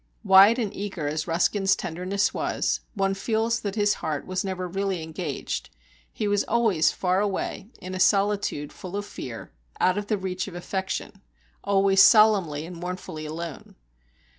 Wide and eager as Ruskin's tenderness was, one feels that his heart was never really engaged; he was always far away, in a solitude full of fear, out of the reach of affection, always solemnly and mournfully alone.